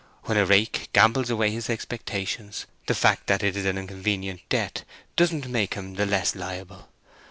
When a rake gambles away his expectations, the fact that it is an inconvenient debt doesn't make him the less liable.